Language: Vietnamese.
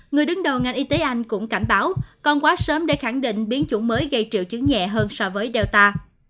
người đứng đầu ngành y tế anh cũng cảnh báo còn quá sớm để khẳng định biến chủng mới gây triệu chứng nhẹ hơn so với delta